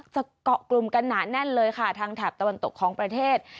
เกาะกลุ่มกันหนาแน่นเลยค่ะทางแถบตะวันตกของประเทศ